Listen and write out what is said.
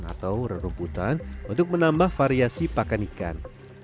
atau rumputan untuk menambah variasi pakan ikan